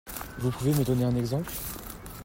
Vous pouvez me donner un exemple ?